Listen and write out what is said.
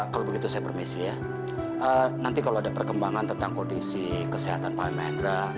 kalau begitu saya permisi ya nanti kalau ada perkembangan tentang kondisi kesehatan pak mahendra